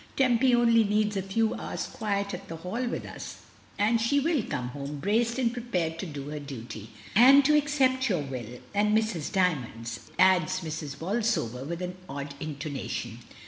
"Tempy only needs a few hours' quiet at the Hall with us, and she will come home braced and prepared to do her duty, and to accept your will — and Mrs. Dymond's," adds Miss Bolsover, with an odd intonation.